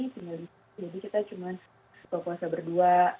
jadi kita cuma berpuasa berdua